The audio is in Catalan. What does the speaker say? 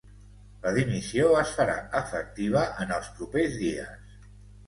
La dimissió es farà efectiva en els propers dies.